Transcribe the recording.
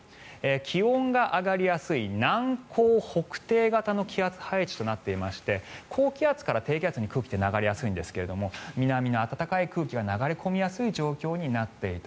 気温が上がりやすい南高北低型の気圧配置となっていまして高気圧から低気圧に空気って流れやすいんですけど南の暖かい空気が流れ込みやすい状況になっていた。